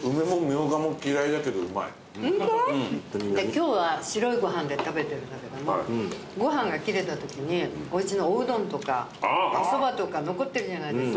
今日は白いご飯で食べてるんだけどもご飯が切れたときにおうちのおうどんとかおそばとか残ってるじゃないですか